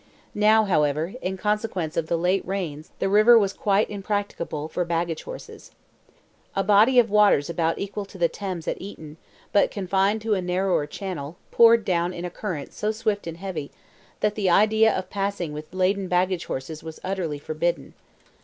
Now, however, in consequence of the late rains the river was quite impracticable for baggage horses. A body of waters about equal to the Thames at Eton, but confined to a narrower channel, poured down in a current so swift and heavy, that the idea of passing with laden baggage horses was utterly forbidden.